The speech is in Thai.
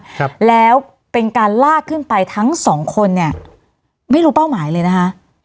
ครับแล้วเป็นการลากขึ้นไปทั้งสองคนเนี่ยไม่รู้เป้าหมายเลยนะคะ